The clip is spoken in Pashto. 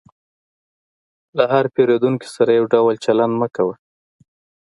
د هر پیرودونکي سره یو ډول چلند مه کوه.